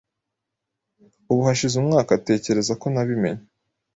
Ubu hashize umwaka, tekereza ko nabimenye